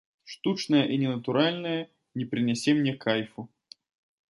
Штучнае і ненатуральнае не прынясе мне кайфу.